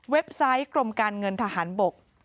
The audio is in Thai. ไซต์กรมการเงินทหารบก